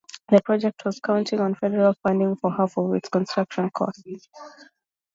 The project was counting on federal funding for half of its construction costs.